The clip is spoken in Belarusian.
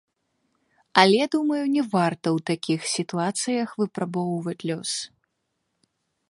Але, думаю, не варта ў такіх сітуацыях выпрабоўваць лёс.